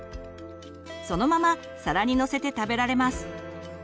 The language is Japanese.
そのまま皿にのせて食べられます。